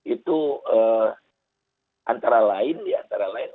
itu antara lain di antara lain